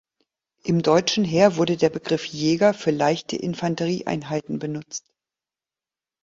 Im deutschen Heer wurde der Begriff Jäger für leichte Infanterie-Einheiten benutzt.